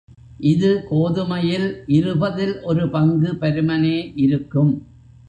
இது கோதுமையில் இருபதில் ஒரு பங்கு பருமனே இருக்கும்.